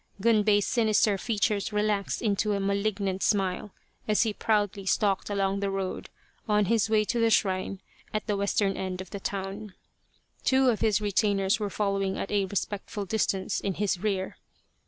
Gunbei's sinister features relaxed into a malignant smile as he proudly stalked along the road on his way to the shrine at the western end of the town. Two of his retainers were following at a respectful distance in his rear.